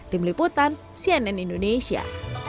tim liputan cnn indonesia